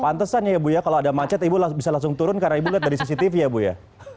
pantesan ya bu ya kalau ada macet ibu bisa langsung turun karena ibu lihat dari cctv ya bu ya